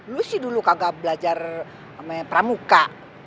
lo sih dulu kagak belajar pramuka